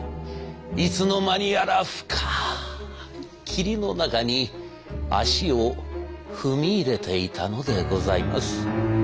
いつの間にやら深い霧の中に足を踏み入れていたのでございます。